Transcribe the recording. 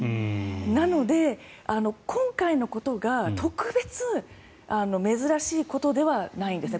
なので、今回のことが特別珍しいことではないんですね。